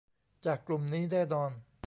จากกลุ่มนี้แน่นอน